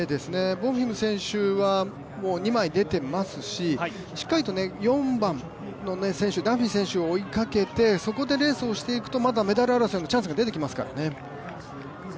ボンフィム選手は２枚出ていますししっかりと４番の選手、ダンフィー選手を追いかけて、そこでレースをしていくとまだメダル争いのチャンスが出てきますからね。